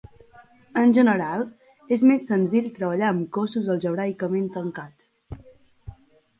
En general, és més senzill treballar amb cossos algebraicament tancats.